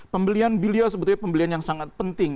pembelian bilia sebetulnya pembelian yang sangat penting